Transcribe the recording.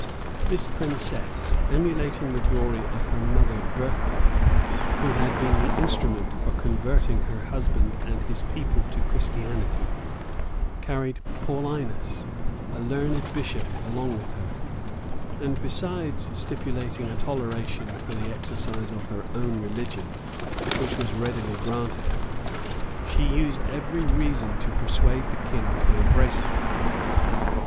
This princess, emulating the glory of her mother, Bertha, who had been the instrument for converting her husband and his people to Christianity, carried Paullinus, a learned bishop, along with her;[*] and besides stipulating a toleration for the exercise of her own religion, which was readily granted her, she used every reason to persuade the king to embrace it.